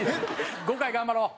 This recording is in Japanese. ５回頑張ろう。